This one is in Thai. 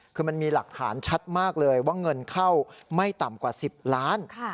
คือมันมีหลักฐานชัดมากเลยว่าเงินเข้าไม่ต่ำกว่า๑๐ล้าน